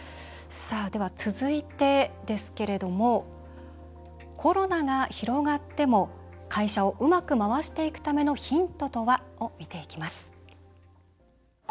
では、続いてですけれどもコロナが広がっても会社をうまく回していくためのヒントとは？を見ていきます。